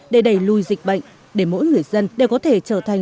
để đẩy lùi dịch bệnh để mỗi người dân đều có thể trở thành